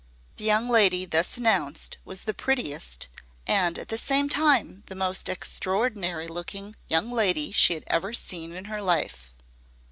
The young lady thus announced was the prettiest, and at the same time the most extraordinary looking, young lady she had ever seen in her life.